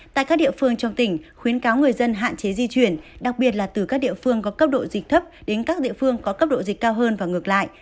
tại các địa phương trong tỉnh khuyến cáo người dân hạn chế di chuyển đặc biệt là từ các địa phương có cấp độ dịch thấp đến các địa phương có cấp độ dịch cao hơn và ngược lại